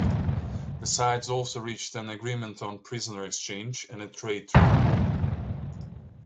The sides also reached an agreement on prisoner exchange and a trade treaty.